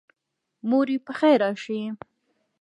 موري پخیر راشي